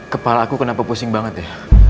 kepala aku kenapa pusing banget ya